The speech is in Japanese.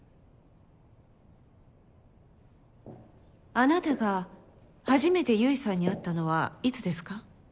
あなたが初めて結衣さんに会ったのはいつですか？